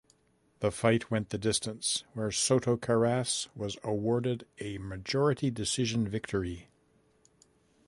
The fight went the distance, where Soto Karass was awarded a majority decision victory.